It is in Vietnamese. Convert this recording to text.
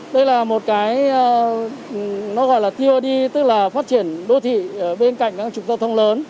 đây là một cái nó gọi là tod tức là phát triển đô thị bên cạnh các chủng giao thông lớn